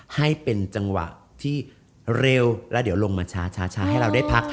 ให้เป็นจังหวะที่เร็วแล้วเดี๋ยวลงมาช้าให้เราได้พัก